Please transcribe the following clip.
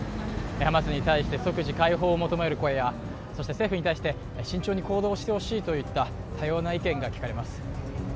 ハマスに対して即時解放を求める声やそして、政府に対して慎重に行動してほしいといった多様な意見が聞かれます。